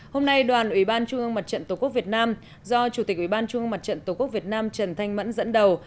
hôm nay đoàn ủy ban trung ương mặt trận tổ quốc việt nam do chủ tịch ủy ban trung ương mặt trận tổ quốc việt nam trần thanh mẫn dẫn đầu